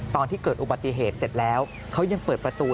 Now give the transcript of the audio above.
ตอนที่เกิดอุบัติเหตุเสร็จแล้วเขายังเปิดประตู